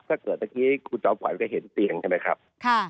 ถ้าเกิดตอนนี้คุณจ๊อมไขว่แล้วก็เห็นเตียงใช่ไหมครับค่ะ